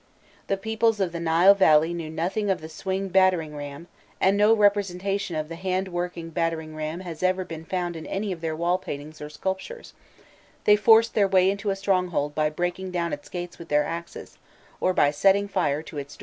The peoples of the Nile Valley knew nothing of the swing battering ram, and no representation of the hand worked battering ram has ever been found in any of their wall paintings or sculptures; they forced their way into a stronghold by breaking down its gates with their axes, or by setting fire to its doors.